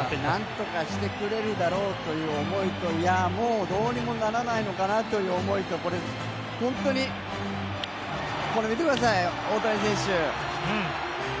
なんとかしてくれるだろうという思いともうどうにもならないのかなという思いとこれ、本当に見てください、大谷選手。